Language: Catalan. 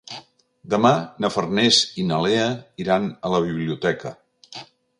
Demà na Farners i na Lea iran a la biblioteca.